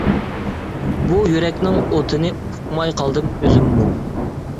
بۇ يۈرەكنىڭ ئوتىنى ئۇقماي قالدىم ئۆزۈممۇ.